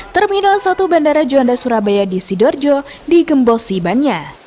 terminal satu bandara juanda surabaya di sidoarjo digembosi bannya